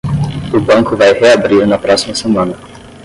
O banco vai reabrir na próxima semana.